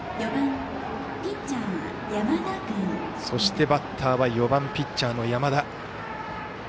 そしてバッターは４番ピッチャーの山田。